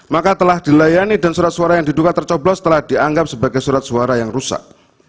maka telah dilayani dan surat suara yang diduga tercoblos telah dianggap sebagai surat suara yang rusak